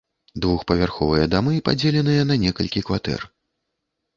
Двухпавярховыя дамы падзеленыя на некалькі кватэр.